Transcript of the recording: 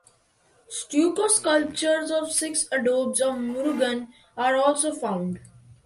Stucco sculptures of Six Abodes of Murugan are also found.